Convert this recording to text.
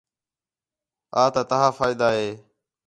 آتا ، تہا فائدہ ہے